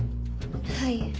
はい。